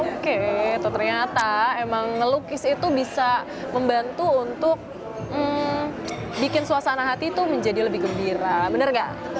oke itu ternyata emang melukis itu bisa membantu untuk bikin suasana hati itu menjadi lebih gembira bener nggak